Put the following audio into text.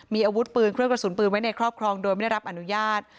มีอาวุธปืนเครื่องกระสุนปืนไว้ในครอบครองโดยไม่ได้รับอนุญาต